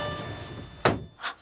あっ。